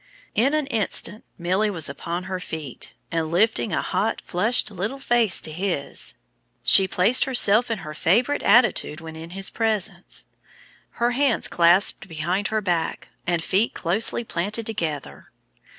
In an instant Milly was upon her feet, and lifting a hot flushed little face to his, she placed herself in her favorite attitude when in his presence; her hands clasped behind her back, and feet closely planted together.